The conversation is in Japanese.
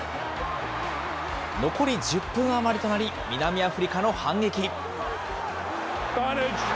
残り１０分余りとなり、南アフリカの反撃。